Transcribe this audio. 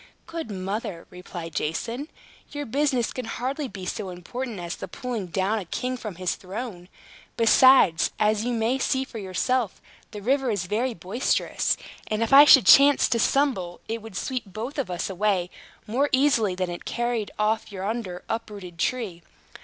"Good mother," replied Jason, "your business can hardly be so important as the pulling down a king from his throne. Besides, as you may see for yourself, the river is very boisterous; and if I should chance to stumble, it would sweep both of us away more easily than it has carried off yonder uprooted tree.